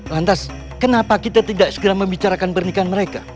lantas kenapa kita tidak segera membicarakan pernikahan mereka